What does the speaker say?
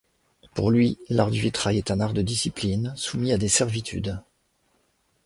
Pour lui, l’art du vitrail est un art de discipline soumis à des servitudes.